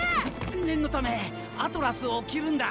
念のためアトラスを着るんだ！